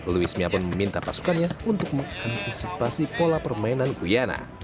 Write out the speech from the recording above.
luismia pun meminta pasukannya untuk mengantisipasi pola permainan guyana